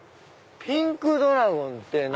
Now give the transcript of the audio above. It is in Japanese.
ピンクドラゴンって。